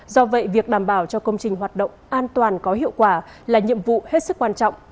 do vậy việc đảm bảo cho công trình hoạt động an toàn có hiệu quả là nhiệm vụ hết sức quan trọng